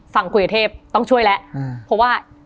ฝั่งคุยกับเทพต้องช่วยแล้วเพราะว่า